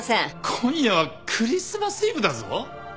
今夜はクリスマスイブだぞ？